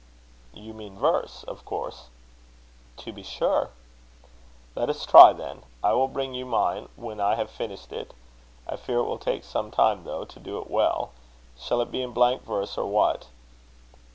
"You mean verse, of course?" "To be sure." "Let us try, then. I will bring you mine when I have finished it. I fear it will take some time, though, to do it well. Shall it be in blank verse, or what?"